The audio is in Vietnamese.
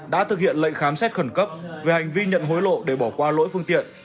đã thực hiện lệnh khám xét khẩn cấp về hành vi nhận hối lộ để bỏ qua lỗi phương tiện